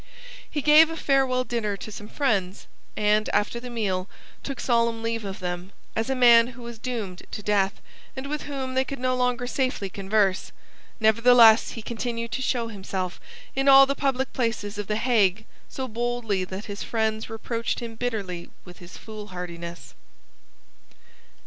He gave a farewell dinner to some friends, and, after the meal, took solemn leave of them, as a man who was doomed to death, and with whom they could no longer safely converse. Nevertheless he continued to show himself in all the public places of the Hague so boldly that his friends reproached him bitterly with his foolhardiness.